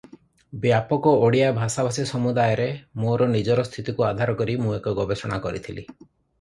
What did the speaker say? ବ୍ୟାପକ ଓଡ଼ିଆ ଭାଷାଭାଷୀ ସମୁଦାୟରେ ମୋର ନିଜ ସ୍ଥିତିକୁ ଆଧାର କରି ମୁଁ ଏକ ଗବେଷଣା କରିଥିଲି ।